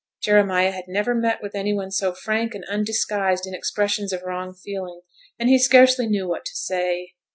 Jeremiah had never met with any one so frank and undisguised in expressions of wrong feeling, and he scarcely knew what to say.